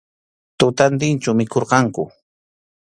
Tutantinchu mikhurqanku.